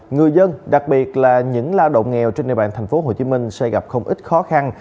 người dân đặc biệt là những lao động nghèo trên địa bàn tp hcm sẽ gặp không ít khó khăn